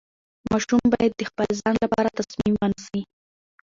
ماشوم باید د خپل ځان لپاره تصمیم ونیسي.